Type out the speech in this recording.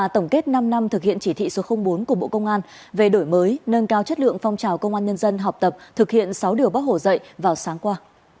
tổng kết năm năm thực hiện chỉ thị số bốn của bộ công an về đổi mới nâng cao chất lượng phong trào công an nhân dân học tập thực hiện sáu điều bác hồ dạy vào sáng qua